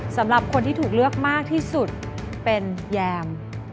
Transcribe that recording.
สำหรับคนที่ถูกเลือกมากที่สุดเป็นแยม